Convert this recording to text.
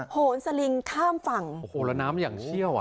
โหนสลิงข้ามฝั่งโอ้โหแล้วน้ำอย่างเชี่ยวอ่ะ